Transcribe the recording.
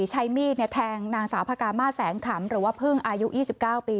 ใช้มีดเนี้ยแทงนางสาวพระกามาสแสงขำหรือว่าพึ่งอายุยี่สิบเก้าปี